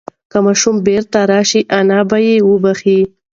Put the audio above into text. که ماشوم بیرته راشي انا به یې وبښي.